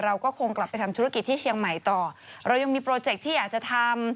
เราก็คงกลับไปทำธุรกิจที่เชียงใหม่ต่อเรายังมีโปรเจคที่อยากจะทำ